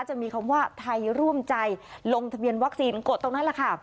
จะมีคำว่าไทยร่วมใจลงทะเบียนวัคซีนกดตรงนั้นแหละค่ะ